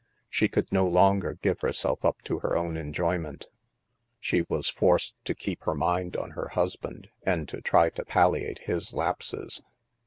She could no longer give herself up to her own enjoyment; she 148 THE MASK was forced to keep her mind on her husband and to try to palliate his lapses.